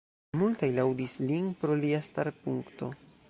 Multaj laŭdis lin pro lia starpunkto.